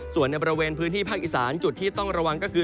ส่วนในบริเวณพื้นที่ภาคอีสานจุดที่ต้องระวังก็คือ